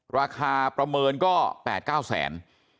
ราคาประเมินก็๘๙แสน